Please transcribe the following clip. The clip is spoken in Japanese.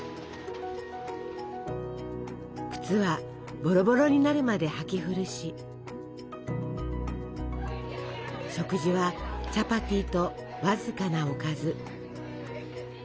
靴はボロボロになるまで履き古し食事はチャパティと僅かなおかず。